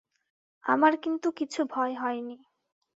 আমার কিন্তু কিছু ভয় হয় নি।